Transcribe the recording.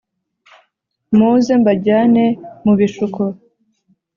Muze mbajyane mu bishuko